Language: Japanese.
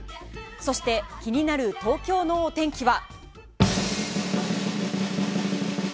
そして気になる東京のお天気は。